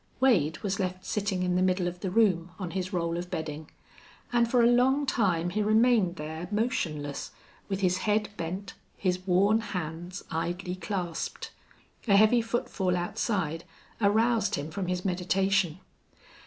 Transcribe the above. Wade was left sitting in the middle of the room on his roll of bedding, and for a long time he remained there motionless, with his head bent, his worn hands idly clasped. A heavy footfall outside aroused him from his meditation.